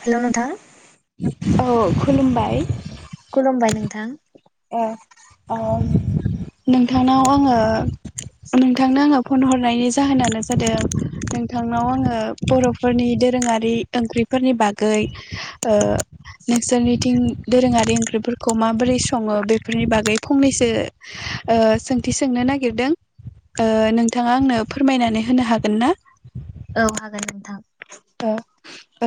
Hello नोंथां औ खुलुमबाय खुलुमबाय नोंथां ए ओ नोंथांनाव आङो नोंथांनो आंहा फन हरनायनि जाहोनानो जादों नोंथांनाव आङो बर'फोरनि दोरोङारि ओंख्रिफोरनि बागैओ नोंसोरनिथिं दोरोङारि ओंख्रिफोरखौ माबोरै सङो बेफोरनि बागै फंनैसो ओ सोंथि सोंनो नागिरदों नोंथाङा आंनो फोरमायनानै होनो हागोन ना? औ हागोन नोंथां। [unintelligible]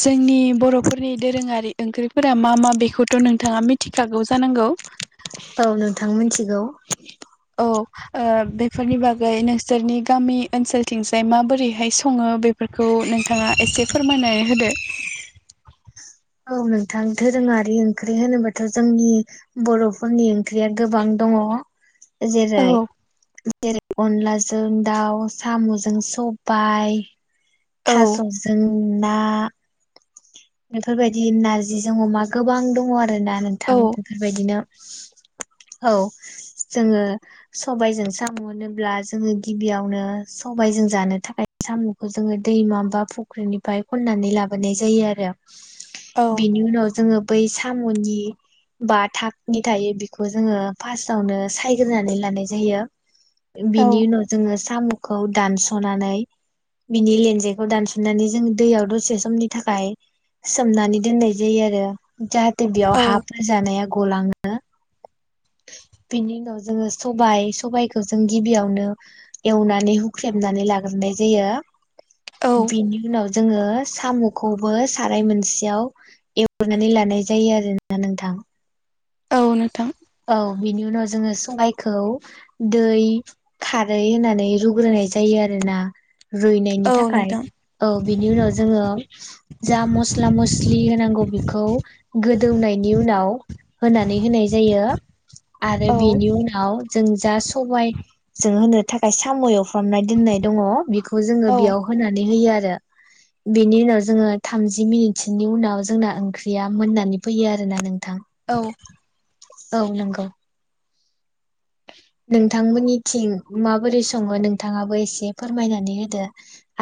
जोंनि बर'फोर नि दोरोङारि ओंख्रिफोरा मा मा बेखौथ' नोंथाङा मिथिखागौ जानांगौ? औ नोंथां मोनथिगौ। औ ओ बेफोरनि बागै नोंसोरनि गामि ओनसोलथिंजाय माबोरैहाय सङो? बेफोरखौ नोंथाङा एसे फोरमायना होदो। औ नोंथां धोरोङारि ओंख्रि होनोबाथ' जोंनि बर'फोरनि ओंख्रिया गोबां दङ'। जेरै औ जेरै अनलाजों दाउ साम'जों सबाय औ थास'जों ना बेफोरबायदि नारजिजों अमा गोबां दङ' आरो ना नोंथां बेफोरबायदिनो। औ जोङो सबायजों साम' ओनोब्ला जोङो गिबियावनो सबायजों जानो थाखाय साम'खो जोङो दैमा बा फुख्रिनिफ्राय खननानै लाबोनाय जायो आरो औ बिनि उनाव जोङो बै साम'नि बा थाकनि थायो बेखौ जोङो फार्स्टावनो सायग्रोनानै लानाय जायो। औ बिनि उनाव जोङो साम'खौ दानस'नानै बिनि लेन जेखौ दानसुमनानै जों दैयाव द'से समनि थाखाय सोमनानै दोननाय जायो आरो जा दि बेयाव औ हाफोर जानाया गलाङो। ओ बेनि उनाव जोङो सबाय सबायखौ जों गिबियावनो एवनानै हुख्रेबनानै लाग्रोनाय जायो। औ बेनि उनाव जोङो साम'खौबो साराय मोनसेयाव एवग्रोनानै लानाय जायो आरो ना नोंथां। औ नोंथां। औ बिनि उनाव जोङो सबाइखौ दै खारै होनानै रुग्रोनाय जायो आरो ना। औ रुइनायनि थाखाय नोंथां औ बिनि उनाव जोङो जा मस्ला मस्लि होनांगौ बे खौ गोदौनायनि उनाव होनानै होनाय जायो। आरो औ बेनि उनाव जों जा सबाय जों होनो थाखाय साम' एवफ्रामनाय दोननाय दङ' बे खौ जोङो औ बेयाव होनानै होयो आ रो बेनि उनाव जोङो थामजि मिनिटसोनि उनाव जोंना ओंख्रिया मोननानै फैयो आरो ना नोंथां। औ। औ नंगौ नोंथांमोननिथिं माबोरै सङो? नोंथाङाबो एसे फोरमायनानै होदो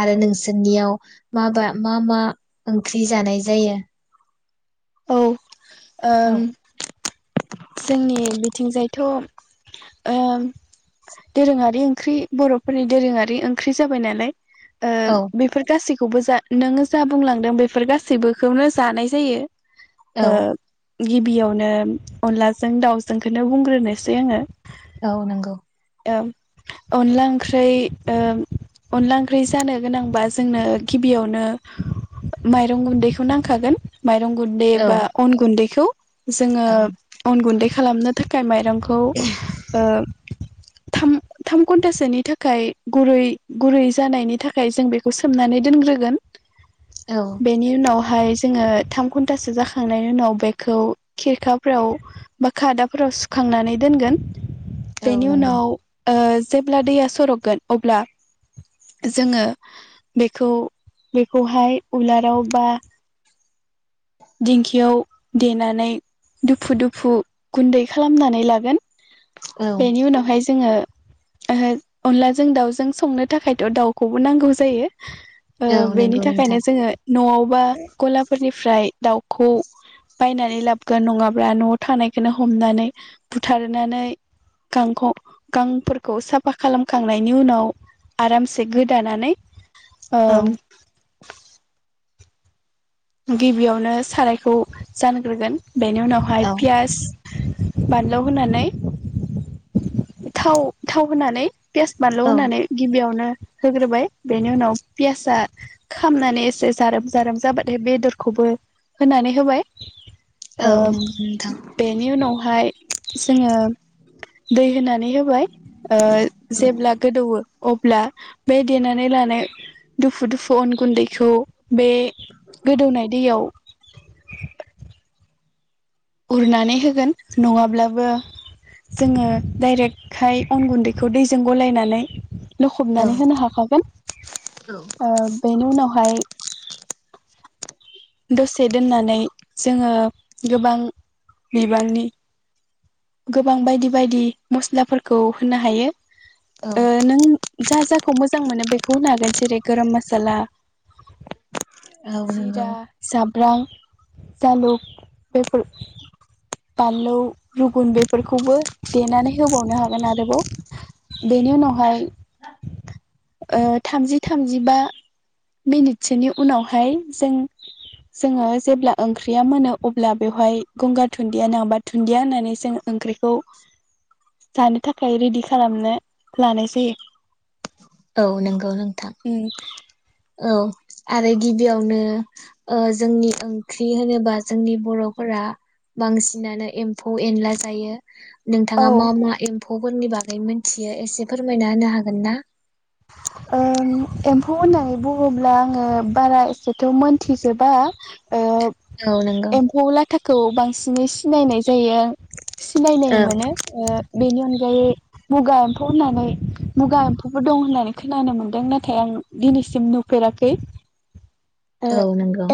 आरो नोंसोरनियाव माबा मा मा ओंख्रि जानाय जायो? औ। औ ओम जोंनि बिथिंजायथ' ओ दोरोङारि ओंख्रि बर'फोरनि दोरोङारि ओंख्रि जाबाय नालाय। ओ औ बेफोर गासै खौबो जा नोङो जा बुंलांदों बेफोर गासैबोखौनो जानाय जायो। औ ओ गिबियावनो अनलाजों दाउजोंखोनो बुंग्रोनोसै आङो। औ नंगौ। ओ अनला ओंख्रै ओ अनला ओंख्रै जानो गोनांबा जोंनो गिबियावनो माइरं गुन्दैखौ नांखागोन। माइरं गुन्दै औ बा अन गुन्दै खौ औ जोङो गुन्दै खालामनो थाखाय माइरं खौ ओ थाम थाम घन्टासोनि थाखाय गुरै गुरै जानायनि थाखाय जों बेखौ सोमनानै दोनग्रोगोन औ बेनि उनाव हाय जोङो थाम घन्टासो जाखांनायनि उनाव बेखौ खिरखाफ्राव बा खादाफोराव सुखांनानै दोनगोन औ बेनि नंगौ उनाव ओ जेब्ला दैया सरबगोन अब्ला जोङो बेखौ बेखौहाय उलाराव बा दिंखियाव देनानै दुफु दुफ फुं गुन्दै खालामनानै लागोन औ बेनि उनावहाय जोङो ओ अनलाजों दाउजों संनो थाखायथ' दाउखौबो नांगौ जायो ओ औ बेनि नंगौ नोंथां थाखायनो जोङो न'आव बा गलाफोरनिफ्राय दाउखौ बायनानै लाबोगोन नङाबा न' थानायखोनो हमनानै बुथारनानै गांखं गांफोरखौ साफा खालामखांनायनि उनाव आरामसे गोदानानै औ ओम गिबियावनो सारायखौ जानग्रोगोन बेनि उनावहाय औ पियास बानलु होनानै थाव थाव होनानै पियास बानलु औ होनानै गिबियावनो होग्रोबाय बेनि उनाव पियासआ खामनानै एसे जारोम जारोम जाबाथाय बेदरखौबो होनानै होबाय। औ ओ नंगौ नोंथां बेनि उनावहाय जोङो दै होना नै होबाय ओ औ जेब्ला गओदौवो अ--' ब्ला बे देनानै लानाय दुफु दुफु अन गुन्दैखौ बे गोदौनाय दैयाव उरनानै होगोन नङाब्लाबो जोङो डाइरेक्टहाय अन गुन्दैखौ दैजों गलायनानै ल'खबनानै होनो हाखागोन ओ बेनि उनावहाय दसे दोननानै जोङो गोबां बिबांनि गोबां बायदि बायदि मस्लाफोरखौ होनो हायो औ ओ नों जा जा खौ मोजां मोनो बेखौ होनो हागोन जेरै गोरोम मोसाला औ नंगौ जिरा [inaudible] रां जालुक बेफोर बानलौ। रुगुन बेफोरखौबो देनानै होबावनो हागोन आरोबाव बेनि उनावहाय ओ थामजि थामजिबा मिनिटसोनि उनावहाय जों जोङो जेब्ला ओंख्रिया मोनो अब्ला बेवहाय गंगार दुनुन्दिया नाङबा दुन्दिया होननानै जों ओंख्रिखौ जानो थाखाय रेडि खालामनो लानाय जायो। औ नंगौ नोंथां उम औ। आरो गिबियावनो ओ जोंनि ओंख्रि होनोबा जोंनि बर'फोरा बांसिनानो एम्फौ एनला जायो। नोंथाङा औ मा मा एम्फौ फैव फोरनि बागै मिथियो एसे फोरमायना होनो हागोन ना। ओम एम्फौ होननानै बुङोब्ला आङो बारा एसेथ' मोनथिजोबा औ नोंगौ। थाखाखौ बांसिनै सिनायनाय जायो सिनायनाय औ मोनो ओ बेनि अनगायै मुगा एम्फौ होननानै मुगा एम्फौबो दं होननानै खोनानो मोन्दों नाथाय आं दिनैसिम नुफेराखै औ नंगौ।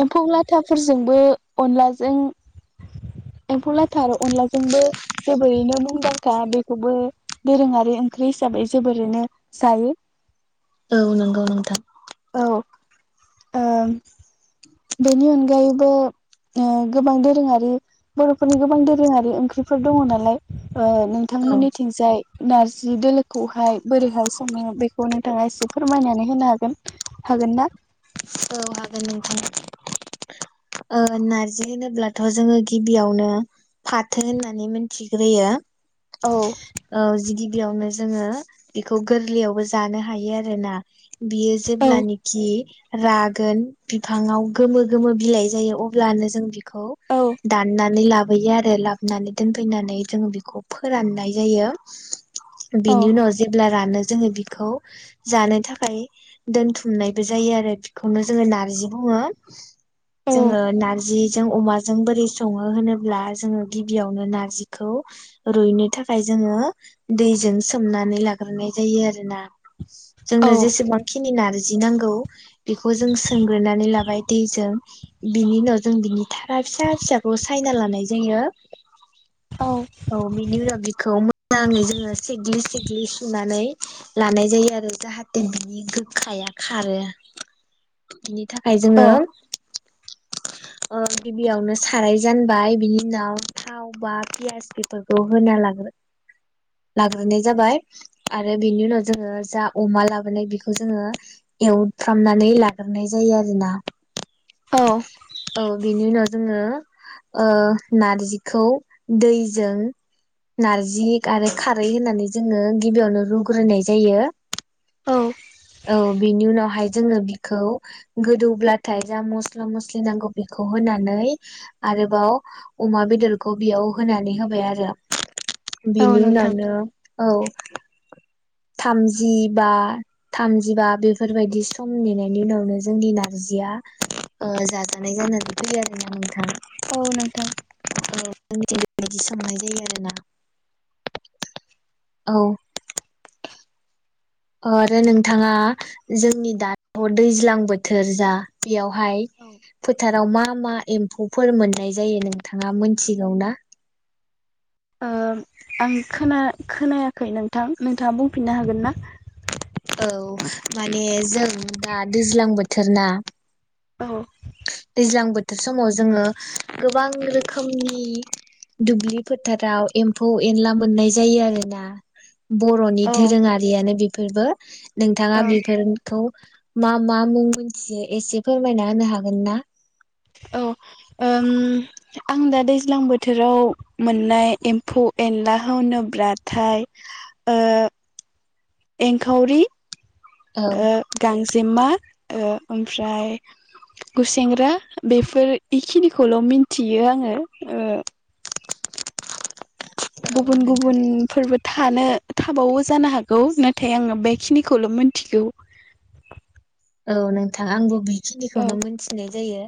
फिथाफोरजोंबो अनलाजों एम्फौ लाथार अनलाजोंबो जोबोरैनो मुंदांखा बेखौबो दोरोङारि ओंख्रि हिसाबै जोबोरैनो जायो। औ नंगौ नोंथां। औ ओं। बेनि अनगायैबो ओ गोबां दोरोङारि बर'फोरनि गोबां दोरोङारि ओंख्रिफोर दङ नालाय ओ औ नोंथांमोननिथिंजाय नारजि दोलोखौहाय बोरैहाय सङो बेखौ नोंथाङा एसे फोरमायनानै होनो हागोन हागोन ना। औ हागोन नोंथां ओ नारजि होनोब्लाथ' जोङो गिबियावनो फाथो होननानै मिथिग्रोयो औ औ जिगि बियावनो जोङो बेखौ गोरलैयावबो जानो हायो आरो ना बियो औ जेब्लानोखि रागोन बिफांव गोमो गोमो बिलाइ जायो अब्लानो जों बि खौ औ दानानै ला लाबोयो आरो लाबोनानै दोनफैनानै जों बेखौ फोराननाय जायो औ बिनि उनाव जेब्ला रानो जोङो बेखौ जानो थाखाय दोनथुमनायबो जायो आरो। बेखौनो जोङो नारजि बुङो। औ जोङो नारजि जों अमाजों बोरै सङो होनोब्ला जोङो गिबियावनो नारजिखौ रुइनो थाखाय जोङो दैजों सोमनानै लाग्रोनाय जायो आरो ना। औ जोंनो जेसेबां खिनि नार जि नांगौ। बेखौ जों सोंग्रोनानै लाबाय दैजों बिनि उनाव जों बिनि थारा फिसा फिसाखौ सायना लानाय जायो। औ औ बेनि उनाव बेखौ मोजाङै जोङो सिग्लि सिग्लि सुनानै लानाय जायो आरो जाहाथे बिनि गोखाया खारो। [unintelligible] थाखाय जोङो औ ओ गिबियावनो साराय जानबाय बिनि उनाव थाव बा पियास बेफोरखौ होना ला लाग्रोनाय जाबाय आरो बेनि उनाव जोङो जा अमा लाबोनाय बेखौ जोङो एवफ्रामनानै नै लाग्रोनाय जायो आरोना औ औ बेनि उनाव जोङो ओ नार्जिखौ दैजों नार्जि आरो खारै होनानै जोङो गिबियावनो रुग्रोनाय जायो औ बेनि उनावहाय जोङो बिखौ गोदौब्लाथाय जा मस्ला मस्लि नांगौ बेखौ होनानै आरोबाव अमा बेदरखौ बेयाव होनानै होबाय आरो औ बिनि नोंथां उनावनो औ थामजिबा थामजिबा बेफोरबायदि सम नेनायनि उनावनो जोंनि नारजिया ओ जाजानाय जानानै फैयो आरोना नोंथां औ नोंथां औ [unintelligible] संनाय जायो आरोना औ अ आरो नोंथाङा जोंनि दाथ दैज्लां बोथोर जा बेयावहाय औ फोथाराव मा मा एम फौ फोर मोननाय जायो नोंथाङा मोनथिगौ ना ओ आं खोना खोनायाखै नोंथां नोंथाङा बुंफिननो हागोन ना? औ माने जों दा दैज्लां बोथोर ना औ ज्लां बोथोर समाव जोङो गोबां रोखोमनि दुब्लि फोथाराव एम्फौ एनला मोननाय जायो आरोना बर'नि औ दोरोङारियानो बि फोरबो नोंथाङा ओं बेफोरखौ मा मा मुं मोनथियो एसे फोरमायना होनो हा गोन ना? औ ओम आं दा दैज्लां बोथोराव मोननाय एम्फौ एनला होनोब्लाथाय एंखाउरि औ ओ गांस जे मा ओ ओमफ्राय गुसेेंग्रा बेफोर इखिनिखौल' मिनथियो आङो ओ गुबुन नोंथां गुबुनफोरबो था थानो थाबावो जानो हागौ नाथाय आङो बेखिनिखौल' मोनथिगौ औ नोंथां आंबो बि औ खिनिखौनो मोनथिनाय जायो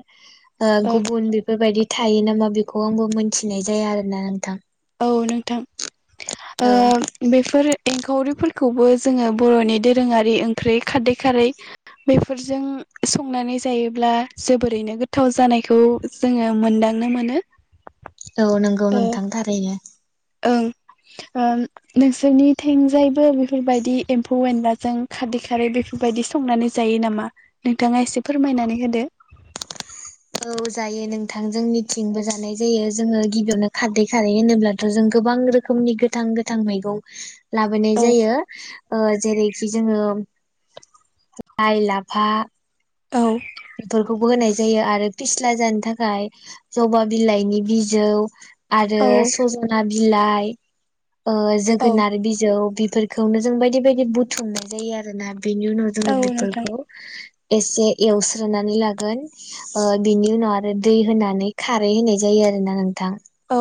ओ गुबुन बेफोरबायदि थायो नामा बेखौ आंबो मोनथिनाय जाया आरोना नोंथां औ नोंथां औ ओ बेफोर एंखावरिफोर खौबो जोङो बर'नि दोरोङारि ओंख्रै खारदै खारै बैफोरजों संनानै जायोब्ला जोबोरैनो गोथाव जानायखौ जोङो मोनदांनो मोनो औ नंगौ ओ नोंथां थारैनो ओं ओ नोंसोरनि थिंजायबो बेफोरबायदि एम्फौ- एनलाजों खारदै खारै बेफोरबायदि संनानै जायो नामा नोंथाङा एसे फोरमायनानै होदो औ जायो नोंथां जोंनिथिंबो जानाय जायो जोङो गिबियावनो खारदै खारै होनोब्लाथ' जों गोबां रोखोमनि गोथां गोथां मैगं लाबोनाय औ जायो ओ जेरै सि जोङो लाइ- लाफा औ बेफोरखौबो होनाय ज जायो आरो फिस्ला जानो थाखाय जबा बिलाइनि बिजौ आरो औ सजना बि बिलाइ ओ औ जोगोनार बिजौ बिब फोरखौनो जों बायदि बायदि बुथुमनाय जायो आरोना बिनि उनाव जों औ नोंथां बिफोरखौ एसे एवस्रोनानै लागोन ओ बिनि उनाव आरो दै होनानै खारै होनाय जायो आरोना नों थां औ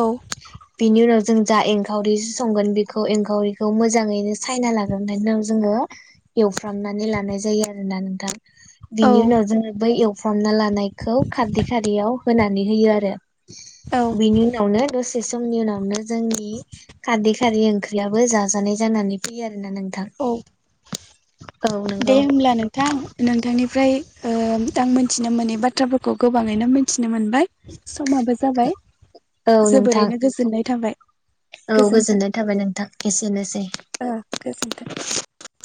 बिनि उनाव ज जों जा एंखावरि संगोन बेखौ एंखावरिखौ मोजाङैनो सायना लाग्रोनायनि उनाव जोङो एवफ्रामनानै लानाय जायो आरोना नोंथां औ बिनि उनाव जोङो बै एउ फ्रामना लानायखौ खारदै खारियाव होनानै होयो आरो औ बिनि उनावनो दस से समनि उनावनो जोंनि खारदै खारै ओंख्रियाबो जाजानाय जानानै फैयो आर औ औ दे नंगौ होनब्ला नोंथां नोंथांनि फ्राय ओ म आं मोनथिनो मोनै बाथ्राफोरखौ गोबाङैनो मोनथिनो मोनबाय समाबो जाबाय औ नोंथां जोबोरैनो गोजोननाय थाबाय औ गोजोन्थों गोजोननाय थाबाय नोंथां एसेनोसै ओ गोजोन्थों [inaudible]